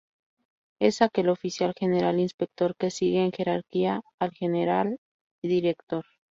Es aquel Oficial General Inspector que sigue en jerarquía al General Director.